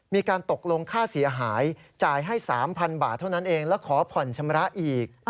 มีการตกลงค่าเสียหายจ่ายให้๓๐๐บาทเท่านั้นเองแล้วขอผ่อนชำระอีก